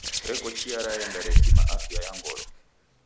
Reko chia raenga repima afya ya ngolo.